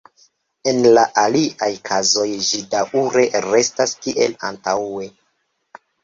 En la aliaj kazoj ĝi daŭre restas kiel antaŭe.